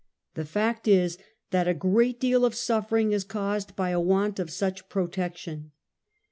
The fact is that a great deal of suffer ing is caused by a want of such protection.